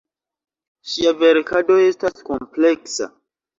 Ŝia verkado estas kompleksa.